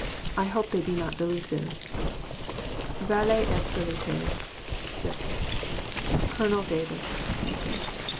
I hope they be not delusive. Vale et Salute. J.M. MASON. Colonel Davis.